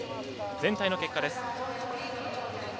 全体の結果です。